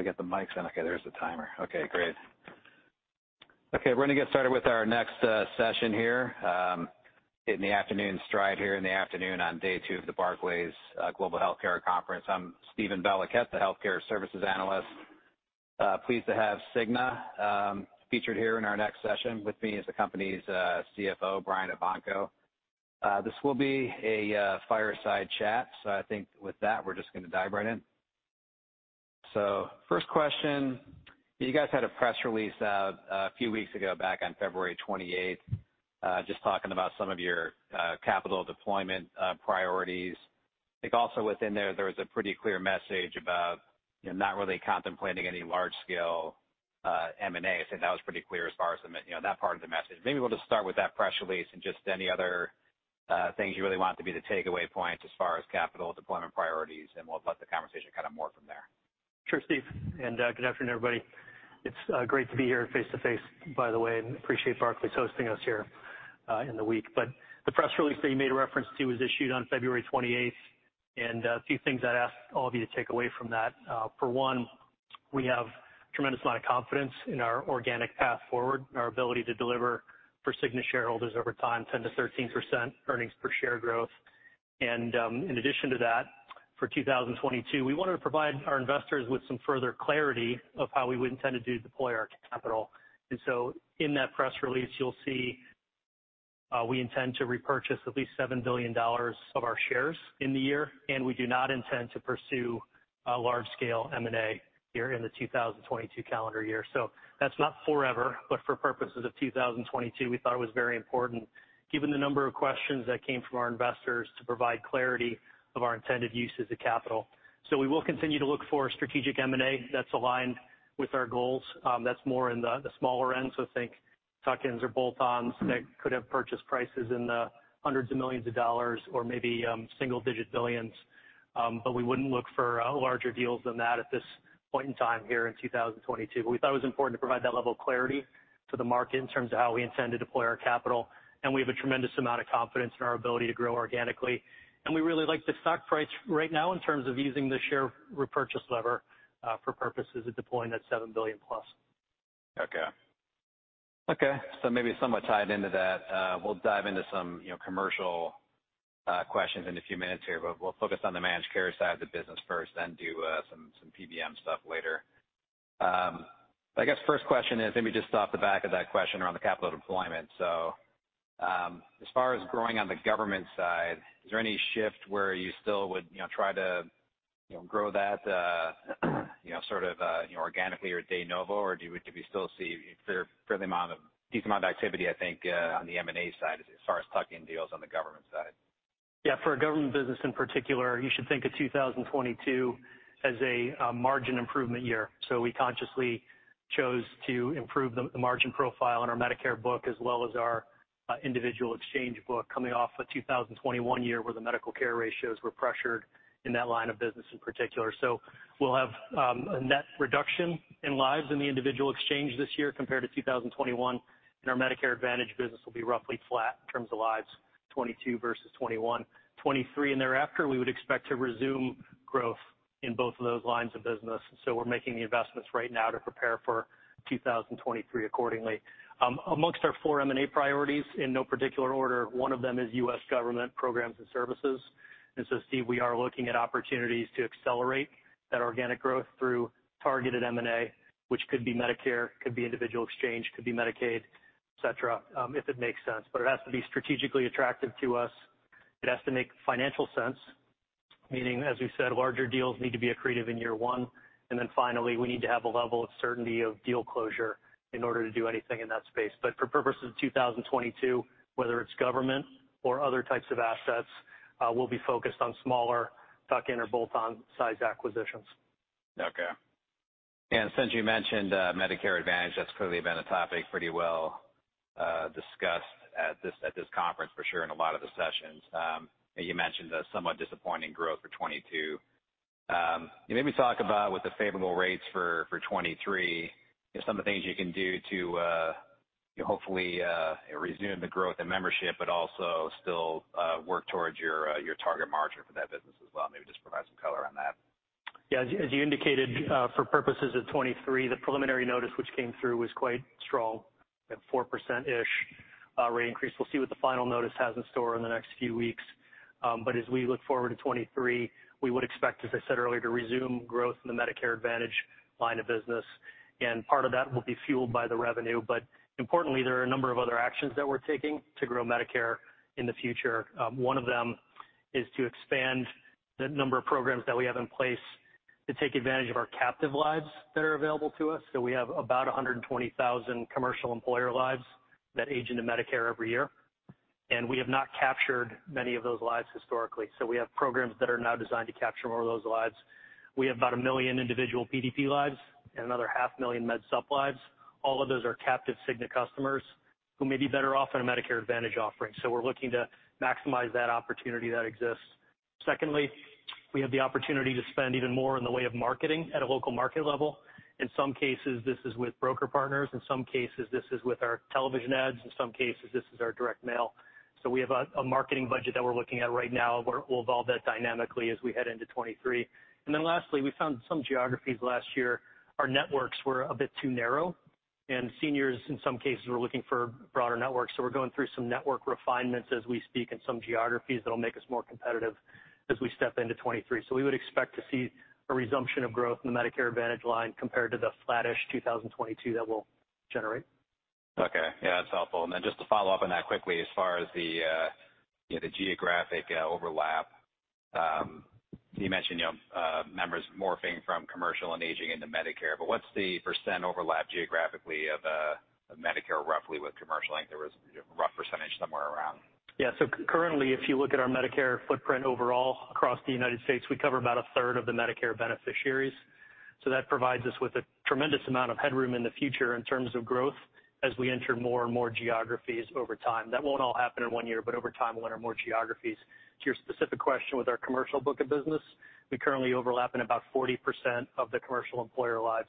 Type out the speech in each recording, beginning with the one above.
We got the mics. Okay, there's the timer. Okay, great. We're going to get started with our next session here in the afternoon stride here in the afternoon on day two of the Barclays Global Healthcare Conference. I'm Steven Bellicat, the Healthcare Services Analyst. Pleased to have Cigna featured here in our next session. With me is the company's CFO, Brian Evanko. This will be a fireside chat, so I think with that, we're just going to dive right in. First question. You guys had a press release a few weeks ago, back on February 28th, just talking about some of your capital deployment priorities. I think also within there, there was a pretty clear message about, you know, not really contemplating any large-scale M&A. I think that was pretty clear as far as that part of the message. Maybe we'll just start with that press release and just any other things you really want to be the takeaway points as far as capital deployment priorities, and we'll let the conversation kind of morph from there. Sure, Steve. Good afternoon, everybody. It's great to be here face-to-face, by the way, and appreciate Barclays hosting us here in the week. The press release that you made reference to was issued on February 28, and a few things I'd ask all of you to take away from that. For one, we have a tremendous amount of confidence in our organic path forward, our ability to deliver for Cigna shareholders over time, 10%-13% earnings per share growth. In addition to that, for 2022, we wanted to provide our investors with some further clarity of how we would intend to deploy our capital. In that press release, you'll see we intend to repurchase at least $7 billion of our shares in the year, and we do not intend to pursue large-scale M&A here in the 2022 calendar year. That's not forever, but for purposes of 2022, we thought it was very important, given the number of questions that came from our investors, to provide clarity of our intended uses of capital. We will continue to look for strategic M&A that's aligned with our goals. That's more in the smaller end, so think tuck-in or bolt-on acquisitions that could have purchase prices in the hundreds of millions of dollars or maybe single-digit billions, but we wouldn't look for larger deals than that at this point in time here in 2022. We thought it was important to provide that level of clarity to the market in terms of how we intend to deploy our capital, and we have a tremendous amount of confidence in our ability to grow organically, and we really like the stock price right now in terms of using the share repurchase lever for purposes of deploying that $7 billion+. Okay, so maybe somewhat tied into that, we'll dive into some commercial questions in a few minutes here, but we'll focus on the managed care side of the business first, then do some PBM stuff later. I guess first question is, maybe just off the back of that question around the capital deployment. As far as growing on the government side, is there any shift where you still would try to grow that sort of organically or de novo, or do we still see a fairly decent amount of activity, I think, on the M&A side as far as tucking deals on the government side? For a government business in particular, you should think of 2022 as a margin improvement year. We consciously chose to improve the margin profile in our Medicare book as well as our individual exchange book, coming off a 2021 year where the medical care ratios were pressured in that line of business in particular. We'll have a net reduction in lives in the individual exchange this year compared to 2021, and our Medicare Advantage business will be roughly flat in terms of lives, 2022 versus 2021. In 2023 and thereafter, we would expect to resume growth in both of those lines of business. We're making the investments right now to prepare for 2023 accordingly. Amongst our four M&A priorities, in no particular order, one of them is U.S. government programs and services. Steve, we are looking at opportunities to accelerate that organic growth through targeted M&A, which could be Medicare, could be individual exchange, could be Medicaid, etc, if it makes sense. It has to be strategically attractive to us. It has to make financial sense, meaning, as we said, larger deals need to be accretive in year one, and finally, we need to have a level of certainty of deal closure in order to do anything in that space. For purposes of 2022, whether it's government or other types of assets, we'll be focused on smaller tuck-in or bolt-on size acquisitions. Okay. Since you mentioned Medicare Advantage, that's clearly been a topic pretty well discussed at this conference for sure in a lot of the sessions. You mentioned a somewhat disappointing growth for 2022. Maybe talk about with the favorable rates for 2023, some of the things you can do to hopefully resume the growth in membership, but also still work towards your target margin for that business as well. Maybe just provide some color on that. Yeah, as you indicated, for purposes of 2023, the preliminary notice which came through was quite strong, a 4%-ish rate increase. We'll see what the final notice has in store in the next few weeks. As we look forward to 2023, we would expect, as I said earlier, to resume growth in the Medicare Advantage line of business, and part of that will be fueled by the revenue. Importantly, there are a number of other actions that we're taking to grow Medicare in the future. One of them is to expand the number of programs that we have in place to take advantage of our captive lives that are available to us. We have about 120,000 commercial employer lives that age into Medicare every year, and we have not captured many of those lives historically. We have programs that are now designed to capture more of those lives. We have about 1 million individual PDP lives and another half million med-sup lives. All of those are captive Cigna customers who may be better off in a Medicare Advantage offering. We're looking to maximize that opportunity that exists. Secondly, we have the opportunity to spend even more in the way of marketing at a local market level. In some cases, this is with broker partners. In some cases, this is with our television ads. In some cases, this is our direct mail. We have a marketing budget that we're looking at right now. We'll evolve that dynamically as we head into 2023. Lastly, we found in some geographies last year, our networks were a bit too narrow, and seniors in some cases were looking for broader networks. We're going through some network refinements as we speak in some geographies that'll make us more competitive as we step into 2023. We would expect to see a resumption of growth in the Medicare Advantage line compared to the flattish 2022 that we'll generate. Okay, yeah, that's helpful. Just to follow up on that quickly, as far as the geographic overlap, you mentioned members morphing from commercial and aging into Medicare. What's the percent overlap geographically of Medicare roughly with commercial? I think there was a rough percentage somewhere around. Yeah, so currently, if you look at our Medicare footprint overall across the U.S., we cover about a third of the Medicare beneficiaries. That provides us with a tremendous amount of headroom in the future in terms of growth as we enter more and more geographies over time. That won't all happen in one year, but over time, one or more geographies. To your specific question with our commercial book of business, we currently overlap in about 40% of the commercial employer lives.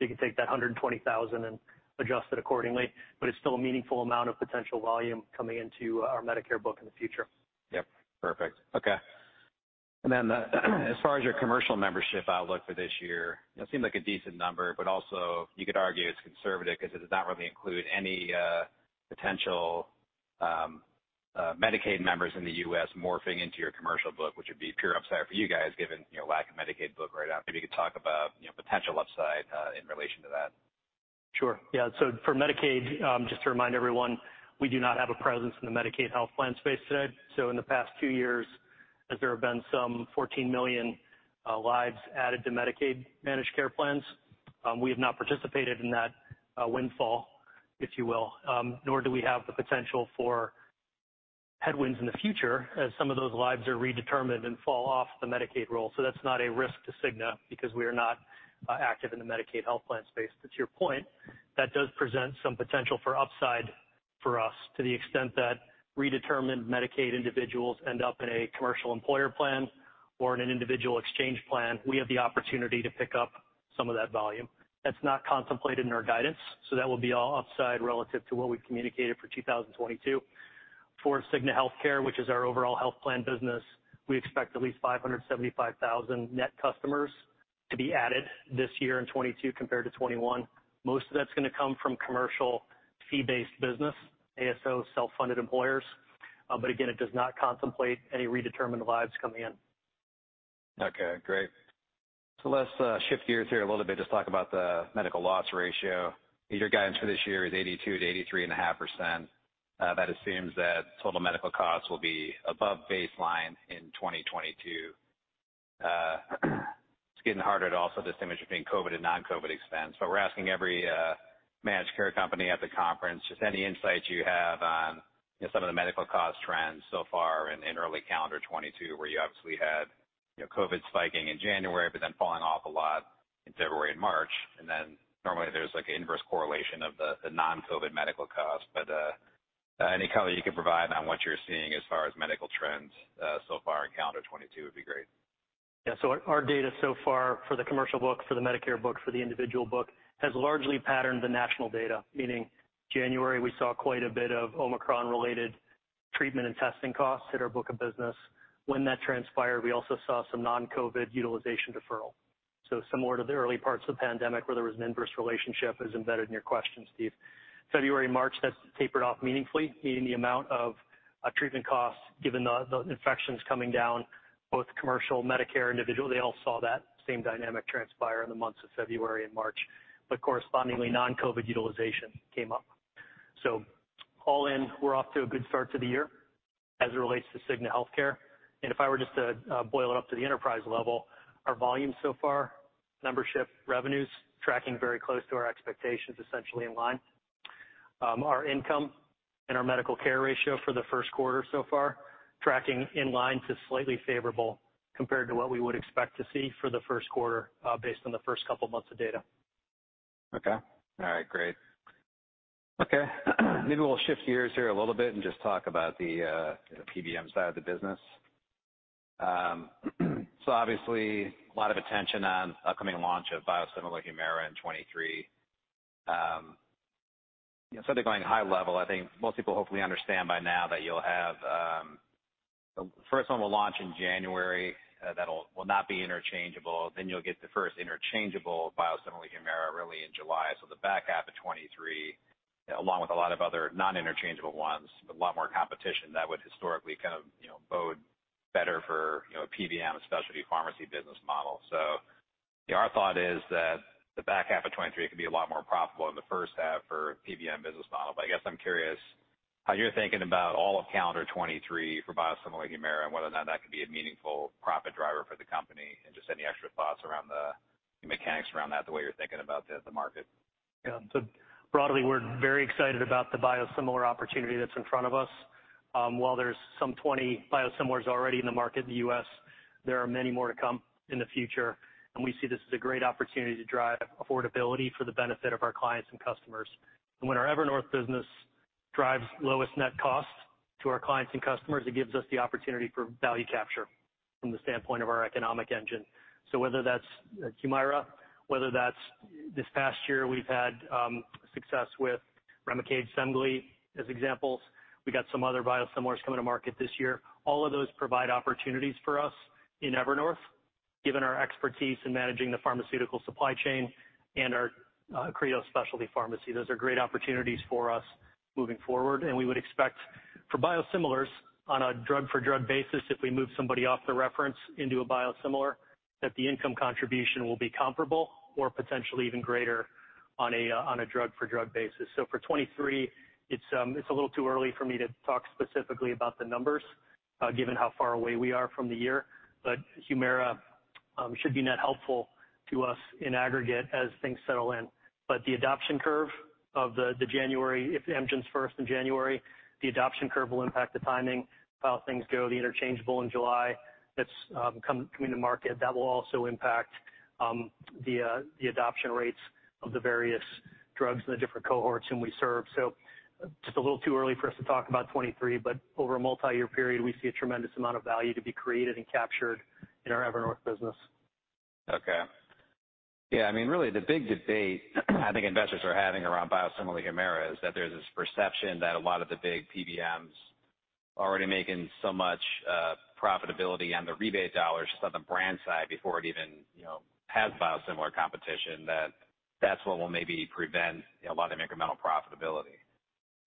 You can take that 120,000 and adjust it accordingly, but it's still a meaningful amount of potential volume coming into our Medicare book in the future. Yep, perfect. Okay. As far as your commercial membership outlook for this year, it seemed like a decent number, but also you could argue it's conservative because it does not really include any potential Medicaid members in the U.S. morphing into your commercial book, which would be pure upside for you guys given your lack of Medicaid book right now. Maybe you could talk about potential upside in relation to that. Sure, yeah. For Medicaid, just to remind everyone, we do not have a presence in the Medicaid health plan space today. In the past two years, as there have been some 14 million lives added to Medicaid managed care plans, we have not participated in that windfall, if you will, nor do we have the potential for headwinds in the future as some of those lives are redetermined and fall off the Medicaid roll. That is not a risk to Cigna because we are not active in the Medicaid health plan space. To your point, that does present some potential for upside for us to the extent that redetermined Medicaid individuals end up in a commercial employer plan or in an individual exchange plan. We have the opportunity to pick up some of that volume. That is not contemplated in our guidance. That will be all upside relative to what we've communicated for 2022. For Cigna Healthcare, which is our overall health plan business, we expect at least 575,000 net customers to be added this year in 2022 compared to 2021. Most of that is going to come from commercial fee-based business, ASOs, self-funded employers. It does not contemplate any redetermined lives coming in. Okay, great. Let's shift gears here a little bit, just talk about the medical loss ratio. Your guidance for this year is 82%-83.5%. That assumes that total medical costs will be above baseline in 2022. It's getting harder to also distinguish between COVID and non-COVID expense, but we're asking every managed care company at the conference just any insights you have on some of the medical cost trends so far in early calendar 2022, where you obviously had COVID spiking in January, but then falling off a lot in February and March. Normally there's like an inverse correlation of the non-COVID medical costs. Any color you could provide on what you're seeing as far as medical trends so far in calendar 2022 would be great. Yeah, so our data so far for the commercial book, for the Medicare book, for the individual book has largely patterned the national data, meaning January we saw quite a bit of Omicron-related treatment and testing costs hit our book of business. When that transpired, we also saw some non-COVID utilization deferral. Similar to the early parts of the pandemic where there was an inverse relationship as embedded in your question, Steve. February, March, that's tapered off meaningfully, meaning the amount of treatment costs given the infections coming down, both commercial, Medicare, individual, they all saw that same dynamic transpire in the months of February and March. Correspondingly, non-COVID utilization came up. All in, we're off to a good start to the year as it relates to Cigna Healthcare. If I were just to boil it up to the enterprise level, our volume so far, membership revenues tracking very close to our expectations, essentially in line. Our income and our medical care ratio for the first quarter so far tracking in line to slightly favorable compared to what we would expect to see for the first quarter based on the first couple of months of data. Okay. All right, great. Maybe we'll shift gears here a little bit and just talk about the PBM side of the business. Obviously, a lot of attention on the upcoming launch of biosimilar Humira in 2023. To go high level, I think most people hopefully understand by now that you'll have the first one launch in January. That will not be interchangeable. You'll get the first interchangeable biosimilar Humira really in July. The back half of 2023, along with a lot of other non-interchangeable ones, with a lot more competition, would historically kind of bode better for a PBM, a specialty pharmacy business model. Our thought is that the back half of 2023 could be a lot more profitable than the first half for a PBM business model. I guess I'm curious how you're thinking about all of calendar 2023 for biosimilar Humira and whether or not that could be a meaningful profit driver for the company and just any extra thoughts around the mechanics around that, the way you're thinking about the market. Yeah, so broadly, we're very excited about the biosimilar opportunity that's in front of us. While there's some 20 biosimilars already in the market in the U.S., there are many more to come in the future. We see this as a great opportunity to drive affordability for the benefit of our clients and customers. When our Evernorth business drives lowest net cost to our clients and customers, it gives us the opportunity for value capture from the standpoint of our economic engine. Whether that's Humira, whether that's this past year, we've had success with Remicade and Semglee as examples. We got some other biosimilars coming to market this year. All of those provide opportunities for us in Evernorth, given our expertise in managing the pharmaceutical supply chain and our Accredo specialty pharmacy. Those are great opportunities for us moving forward. We would expect for biosimilars on a drug-for-drug basis, if we move somebody off the reference into a biosimilar, that the income contribution will be comparable or potentially even greater on a drug-for-drug basis. For 2023, it's a little too early for me to talk specifically about the numbers, given how far away we are from the year. Humira should be net helpful to us in aggregate as things settle in. The adoption curve of the January, if MGINS first in January, the adoption curve will impact the timing of how things go. The interchangeable in July that's coming to market, that will also impact the adoption rates of the various drugs and the different cohorts whom we serve. It's a little too early for us to talk about 2023, but over a multi-year period, we see a tremendous amount of value to be created and captured in our Evernorth business. Okay. Yeah, I mean, really the big debate I think investors are having around biosimilar Humira is that there's this perception that a lot of the big PBMs are already making so much profitability on the rebate dollars, just on the brand side before it even has biosimilar competition, that that's what will maybe prevent a lot of incremental profitability.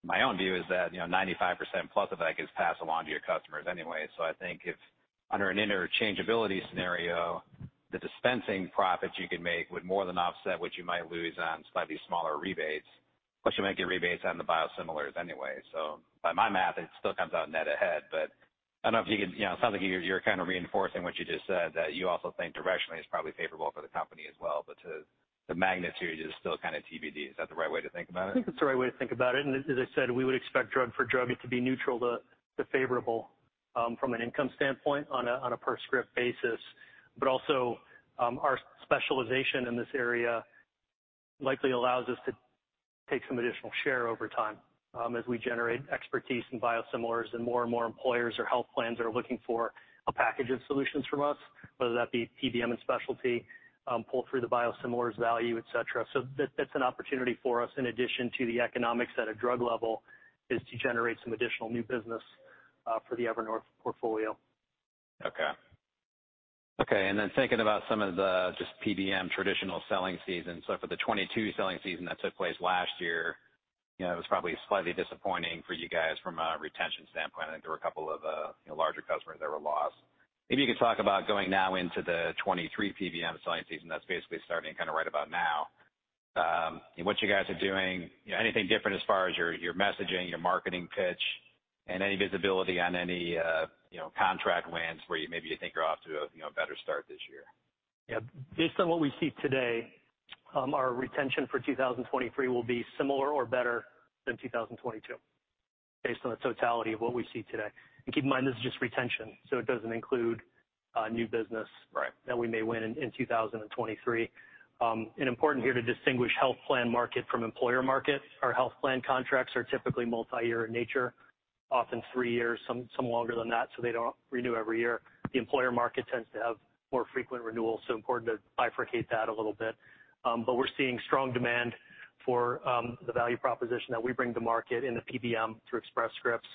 My own view is that 95%+ of that gets passed along to your customers anyway. I think if under an interchangeability scenario, the dispensing profits you can make would more than offset what you might lose on slightly smaller rebates, plus you might get rebates on the biosimilars anyway. By my math, it still comes out net ahead. I don't know if you can, it sounds like you're kind of reinforcing what you just said, that you also think directionally it's probably favorable for the company as well. The magnitude is still kind of TBD. Is that the right way to think about it? I think it's the right way to think about it. As I said, we would expect drug for drug to be neutral to favorable from an income standpoint on a per script basis. Also, our specialization in this area likely allows us to take some additional share over time as we generate expertise in biosimilars and more and more employers or health plans are looking for a package of solutions from us, whether that be PBM and specialty, pull through the biosimilars value, et cetera. That's an opportunity for us in addition to the economics at a drug level to generate some additional new business for the Evernorth portfolio. Okay, and then thinking about some of the just PBM traditional selling season. For the 2022 selling season that took place last year, it was probably slightly disappointing for you guys from a retention standpoint. I think there were a couple of larger customers that were lost. Maybe you could talk about going now into the 2023 PBM selling season that's basically starting kind of right about now. What you guys are doing, anything different as far as your messaging, your marketing pitch, and any visibility on any contract wins where maybe you think you're off to a better start this year? Yeah, based on what we see today, our retention for 2023 will be similar or better than 2022 based on the totality of what we see today. Keep in mind, this is just retention. It doesn't include new business that we may win in 2023. It is important here to distinguish health plan market from employer market. Our health plan contracts are typically multi-year in nature, often three years, some longer than that, so they don't renew every year. The employer market tends to have more frequent renewals, so important to bifurcate that a little bit. We're seeing strong demand for the value proposition that we bring to market in the PBM through Express Scripts,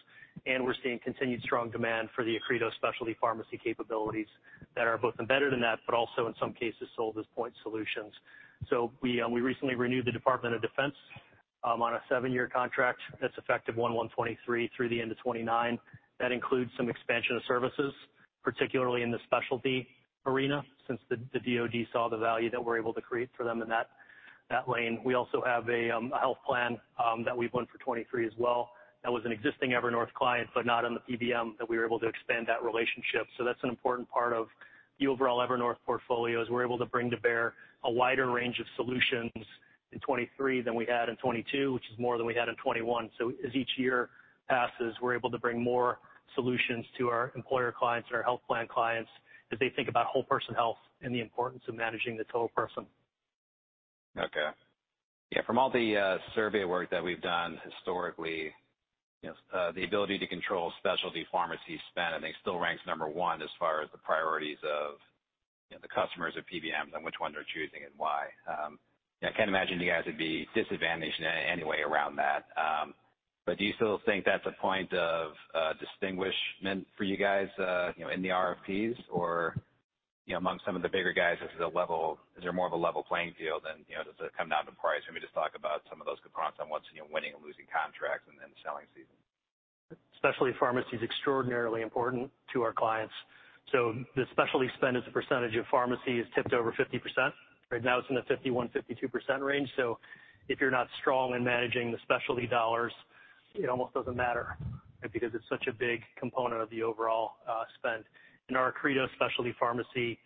and we're seeing continued strong demand for the Accredo Specialty Pharmacy capabilities that are both embedded in that, but also in some cases sold as point solutions. We recently renewed the Department of Defense on a seven-year contract that's effective 1/1/2023 through the end of 2029. That includes some expansion of services, particularly in the specialty arena, since the Department of Defense saw the value that we're able to create for them in that lane. We also have a health plan that we've won for 2023 as well that was an existing Evernorth client, but not on the PBM that we were able to expand that relationship. That's an important part of the overall Evernorth portfolio as we're able to bring to bear a wider range of solutions in 2023 than we had in 2022, which is more than we had in 2021. As each year passes, we're able to bring more solutions to our employer clients and our health plan clients as they think about whole person health and the importance of managing the whole person. Okay. From all the survey work that we've done historically, the ability to control specialty pharmacy spend, I think, still ranks number one as far as the priorities of the customers of PBMs on which ones they're choosing and why. I can't imagine you guys would be disadvantaged in any way around that. Do you still think that's a point of distinguishment for you guys in the RFPs or among some of the bigger guys? Is there more of a level playing field, then does it come down to price? Maybe just talk about some of those components on once you know winning and losing contracts and then selling season. Specialty pharmacy is extraordinarily important to our clients. The specialty spend as a percentage of pharmacy has tipped over 50%. Right now, it's in the 51%, 52% range. If you're not strong in managing the specialty dollars, it almost doesn't matter because it's such a big component of the overall spend. Our Accredo Specialty Pharmacy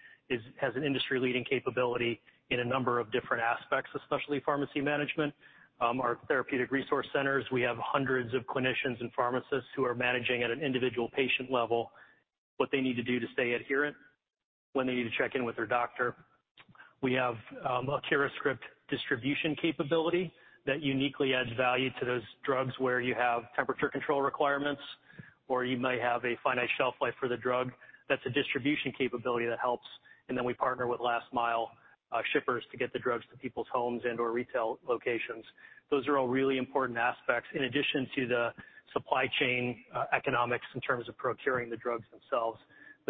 has an industry-leading capability in a number of different aspects of specialty pharmacy management. Our therapeutic resource centers have hundreds of clinicians and pharmacists who are managing at an individual patient level what they need to do to stay adherent, when they need to check in with their doctor. We have a CuraScript distribution capability that uniquely adds value to those drugs where you have temperature control requirements or you might have a finite shelf life for the drug. That's a distribution capability that helps. We partner with last mile shippers to get the drugs to people's homes and/or retail locations. Those are all really important aspects in addition to the supply chain economics in terms of procuring the drugs themselves.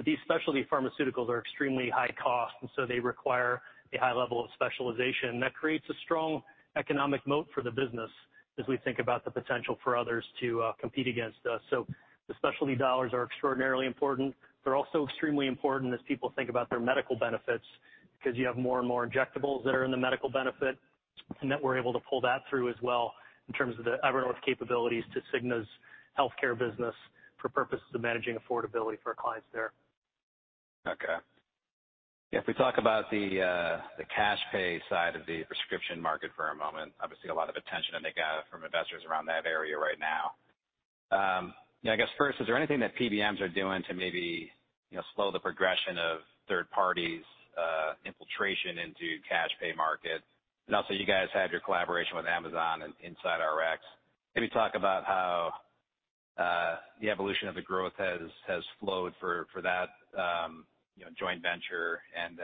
These specialty pharmaceuticals are extremely high cost, and they require a high level of specialization. That creates a strong economic moat for the business as we think about the potential for others to compete against us. The specialty dollars are extraordinarily important. They're also extremely important as people think about their medical benefits because you have more and more injectables that are in the medical benefit and that we're able to pull that through as well in terms of the Evernorth capabilities to Cigna's healthcare business for purposes of managing affordability for our clients there. Okay. If we talk about the cash pay side of the prescription market for a moment, obviously a lot of attention I think from investors around that area right now. I guess first, is there anything that PBMs are doing to maybe slow the progression of third parties' infiltration into the cash pay market? You guys have your collaboration with Amazon and InsideRx. Maybe talk about how the evolution of the growth has flowed for that joint venture and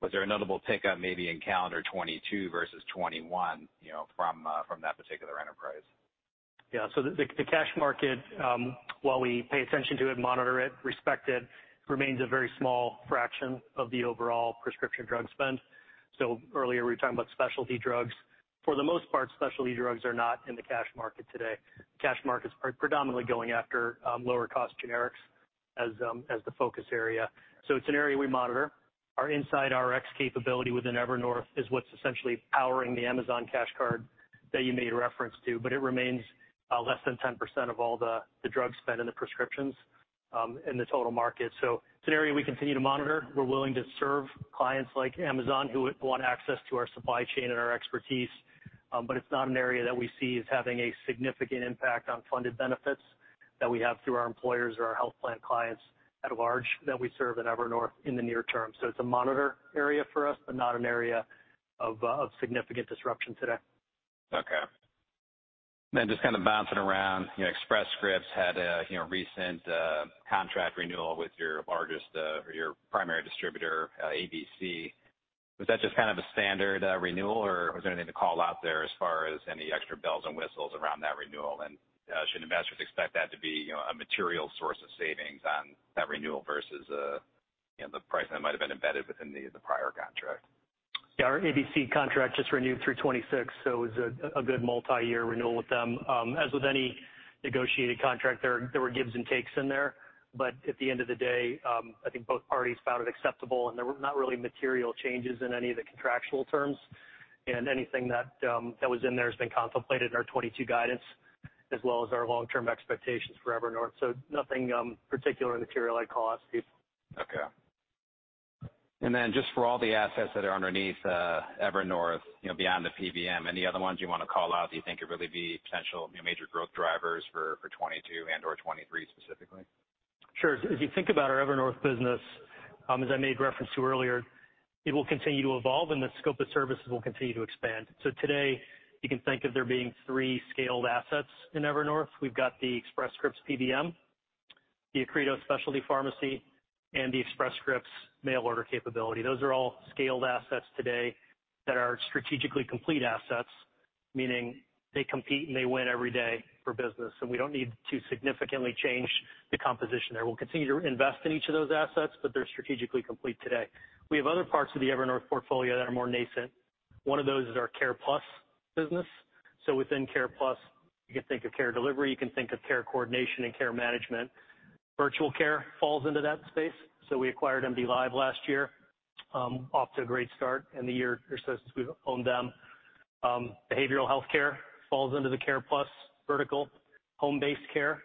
was there a notable pickup maybe in calendar 2022 versus 2021 from that particular enterprise? Yeah, so the cash market, while we pay attention to it, monitor it, respect it, remains a very small fraction of the overall prescription drug spend. Earlier we were talking about specialty drugs. For the most part, specialty drugs are not in the cash market today. Cash markets are predominantly going after lower cost generics as the focus area. It's an area we monitor. Our InsideRx capability within Evernorth is what's essentially powering the Amazon cash card that you made reference to, but it remains less than 10% of all the drug spend in the prescriptions in the total market. It's an area we continue to monitor. We're willing to serve clients like Amazon who want access to our supply chain and our expertise, but it's not an area that we see as having a significant impact on funded benefits that we have through our employers or our health plan clients at large that we serve in Evernorth in the near term. It's a monitor area for us, but not an area of significant disruption today. Okay. Just kind of bouncing around, Express Scripts had a recent contract renewal with your primary distributor, AmerisourceBergen. Was that just kind of a standard renewal, or was there anything to call out there as far as any extra bells and whistles around that renewal? Should investors expect that to be a material source of savings on that renewal versus the price that might have been embedded within the prior contract? Yeah, our AmerisourceBergen contract just renewed through 2026, so it was a good multi-year renewal with them. As with any negotiated contract, there were gives and takes in there. At the end of the day, I think both parties found it acceptable and there were not really material changes in any of the contractual terms. Anything that was in there has been contemplated in our 2022 guidance as well as our long-term expectations for Evernorth. Nothing particularly material I'd call out, Steve. Okay. For all the assets that are underneath Evernorth, beyond the PBM, any other ones you want to call out that you think could really be potential major growth drivers for 2022 and/or 2023 specifically? Sure. As you think about our Evernorth business, as I made reference to earlier, it will continue to evolve and the scope of services will continue to expand. Today you can think of there being three scaled assets in Evernorth. We've got the Express Scripts PBM, the Accredo Specialty Pharmacy, and the Express Scripts mail order capability. Those are all scaled assets today that are strategically complete assets, meaning they compete and they win every day for business. We don't need to significantly change the composition there. We'll continue to invest in each of those assets, but they're strategically complete today. We have other parts of the Evernorth portfolio that are more nascent. One of those is our Care Plus business. Within Care Plus, you can think of care delivery, you can think of care coordination and care management. Virtual care falls into that space. We acquired MDLIVE last year, off to a great start in the year or so since we've owned them. Behavioral healthcare falls into the Care Plus vertical, home-based care,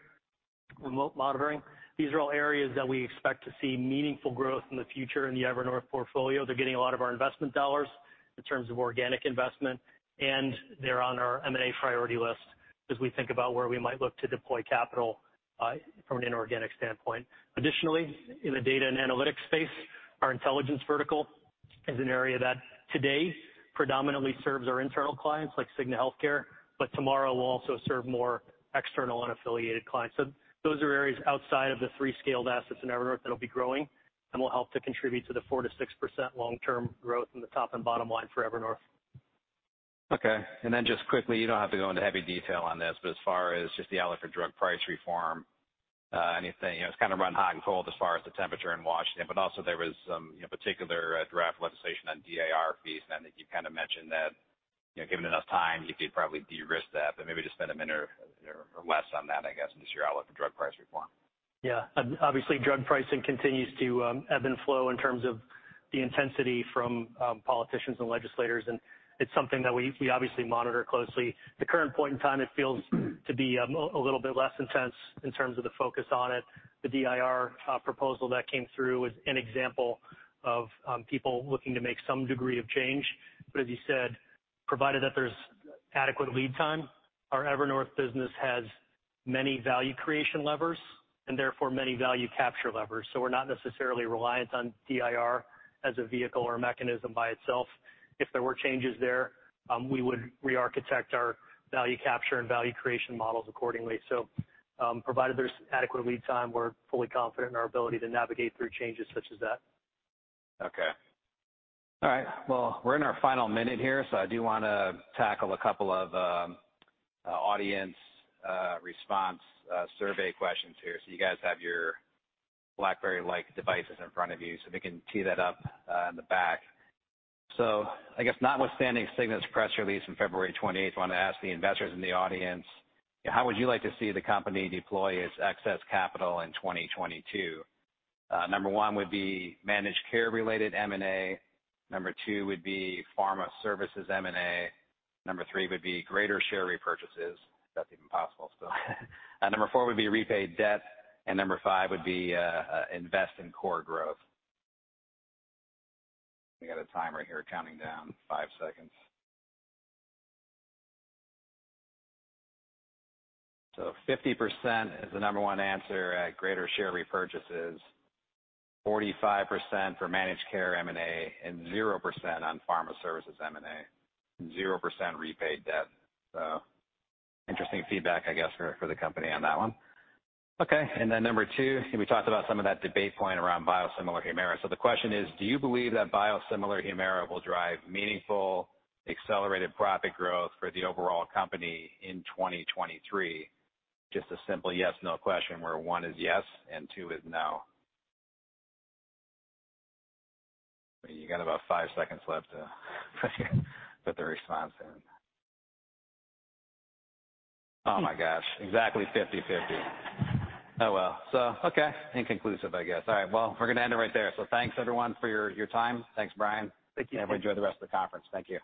remote monitoring. These are all areas that we expect to see meaningful growth in the future in the Evernorth portfolio. They're getting a lot of our investment dollars in terms of organic investment, and they're on our M&A priority list as we think about where we might look to deploy capital from an inorganic standpoint. Additionally, in the data and analytics space, our intelligence vertical is an area that today predominantly serves our internal clients like Cigna Healthcare, but tomorrow will also serve more external unaffiliated clients. Those are areas outside of the three scaled assets in Evernorth that will be growing and will help to contribute to the 4%-6% long-term growth in the top and bottom line for Evernorth. Okay. You don't have to go into heavy detail on this, but as far as just the outlet for drug price reform, anything, you know, it's kind of run hot and cold as far as the temperature in Washington, but also there was a particular draft legislation on DIR fees, and I think you kind of mentioned that, you know, given enough time, you could probably de-risk that. Maybe just spend a minute or less on that, I guess, and just your outlet for drug price reform. Yeah, and obviously drug pricing continues to ebb and flow in terms of the intensity from politicians and legislators, and it's something that we obviously monitor closely. At the current point in time, it feels to be a little bit less intense in terms of the focus on it. The DIR proposal that came through was an example of people looking to make some degree of change, but as you said, provided that there's adequate lead time, our Evernorth business has many value creation levers and therefore many value capture levers. We're not necessarily reliant on DIR as a vehicle or a mechanism by itself. If there were changes there, we would re-architect our value capture and value creation models accordingly. Provided there's adequate lead time, we're fully confident in our ability to navigate through changes such as that. Okay. All right, we're in our final minute here, so I do want to tackle a couple of audience response survey questions here. You guys have your BlackBerry-like devices in front of you, so we can tee that up in the back. I guess notwithstanding The Cigna's press release on February 28, I want to ask the investors in the audience, how would you like to see the company deploy its excess capital in 2022? Number one would be managed care-related M&A. Number two would be pharma services M&A. Number three would be greater share repurchases, if that's even possible still. Number four would be repaid debt. Number five would be invest in core growth. We got a timer here counting down five seconds. 50% is the number one answer at greater share repurchases, 45% for managed care M&A, and 0% on pharma services M&A, and 0% repaid debt. Interesting feedback, I guess, for the company on that one. Number two, and we talked about some of that debate point around biosimilar Humira. The question is, do you believe that biosimilar Humira will drive meaningful accelerated profit growth for the overall company in 2023? Just a simple yes-no question where one is yes and two is no. You got about five seconds left to put the response in. Oh my gosh, exactly 50-50. Oh well, inconclusive, I guess. All right, we're going to end it right there. Thanks everyone for your time. Thanks, Brian. Thank you. Have enjoyed the rest of the conference. Thank you.